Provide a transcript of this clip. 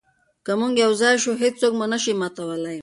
که موږ یو ځای شو، هیڅوک مو نه شي ماتولی.